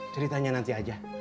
ceritanya nanti aja